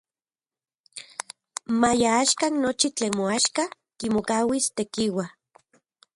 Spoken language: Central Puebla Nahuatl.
Maya axkan nochi tlen moaxka kimokauis Tekiua.